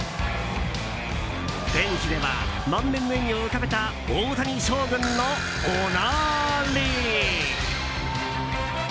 ベンチでは満面の笑みを浮かべた大谷将軍のおなーり！